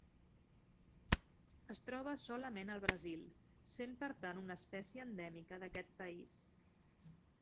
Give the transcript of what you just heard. Es troba solament al Brasil, sent per tant una espècie endèmica d'aquest país.